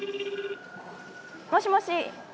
もしもし。